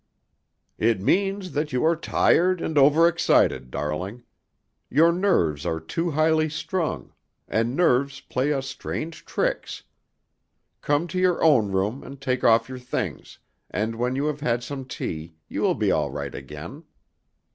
"It means that you are tired and overexcited, darling. Your nerves are too highly strung, and nerves play us strange tricks. Come to your own room and take off your things, and when you have had some tea, you will be all right again."